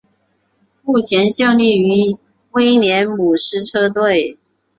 目前效力于威廉姆斯车队。